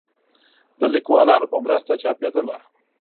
د ليکوالانو په مرسته چاپېدله